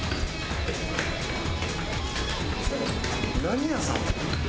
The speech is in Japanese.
何屋さん？